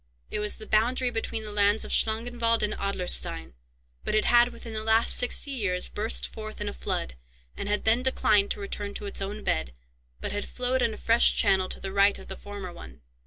It was the boundary between the lands of Schlangenwald and Adlerstein, but it had within the last sixty years burst forth in a flood, and had then declined to return to its own bed, but had flowed in a fresh channel to the right of the former one.